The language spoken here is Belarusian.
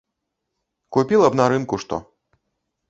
Купіла б на рынку што.